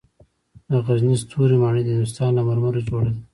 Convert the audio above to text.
د غزني ستوري ماڼۍ د هندوستان له مرمرو جوړه وه